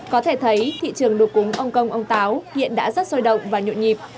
có thể thấy thị trường đồ cúng ông công ông táo hiện đã rất sôi động và nhộn nhịp